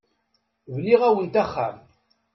Bniɣ-awent axxam.